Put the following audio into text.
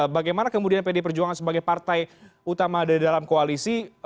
bagaimana kemudian pd perjuangan sebagai partai utama ada di dalam koalisi